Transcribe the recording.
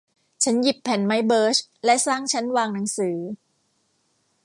ฉันหยิบแผ่นไม้เบิร์ชและสร้างชั้นวางหนังสือ